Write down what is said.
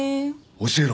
教えろ。